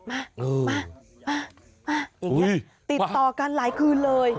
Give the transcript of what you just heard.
มามามาติดต่อกันหลายคืนเลย